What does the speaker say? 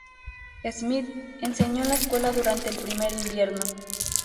Smith enseñó en la escuela durante el primer invierno.